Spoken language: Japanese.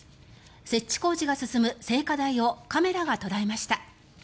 設置工事が進む聖火台をカメラが捉えました。